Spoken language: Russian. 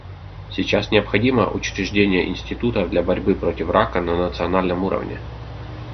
Сейчас необходимо учреждение институтов для борьбы против рака на национальном уровне.